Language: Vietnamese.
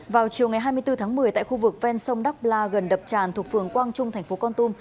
vào chiều ngày hai mươi bốn tháng một mươi tại khu vực ven sông đắk bla gần đập tràn thuộc phường quang trung thành phố con tum